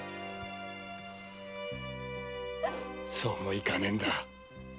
そうもいかねぇんだ